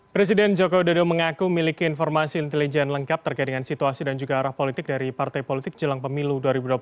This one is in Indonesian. presiden joko widodo mengaku miliki informasi intelijen lengkap terkait dengan situasi dan juga arah politik dari partai politik jelang pemilu dua ribu dua puluh empat